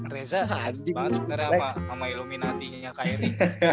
reza bener bener sama illuminati nya kak airi